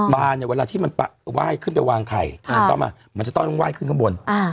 เนี่ยเวลาที่มันไหว้ขึ้นไปวางไข่ต้องมามันจะต้องไห้ขึ้นข้างบน